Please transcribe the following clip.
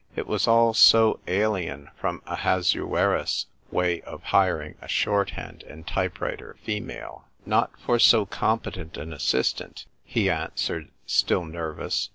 It was all so alien from Ahasuerus's way of hiring a Shorthand and Type writer (female). " Not for so competent an assistant," he answered, still nervous.